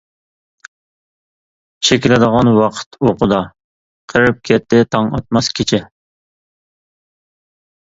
چىكىلدىغان ۋاقىت ئوقىدا، قېرىپ كەتتى تاڭ ئاتماس كېچە.